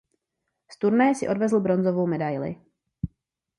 Z turnaje si odvezl bronzovou medaili.